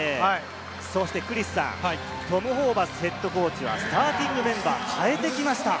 そしてクリスさん、トム・ホーバスＨＣはスターティングメンバーを変えてきました。